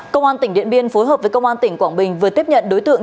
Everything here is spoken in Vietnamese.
công an tỉnh điện biên phối hợp với công an tỉnh quảng bình vừa tiếp nhận đối tượng